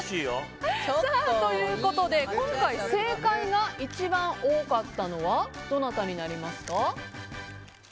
今回正解が一番多かったのはどなたになりますか？